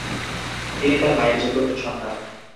তিনি তার মায়ের চতুর্থ সন্তান।